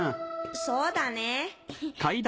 そうだね。